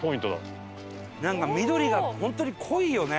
なんか緑が本当に濃いよね。